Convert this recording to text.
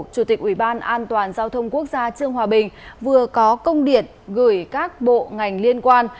công an an toàn giao thông quốc gia trương hòa bình vừa có công điện gửi các bộ ngành liên quan